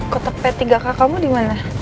kotepe tinggalkah kamu dimana